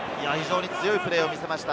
強いプレーを見せました。